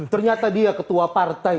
ternyata dia ketua partai